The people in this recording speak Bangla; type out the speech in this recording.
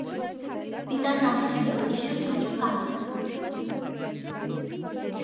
পিতার নাম ছিল ঈশ্বরচন্দ্র কালী।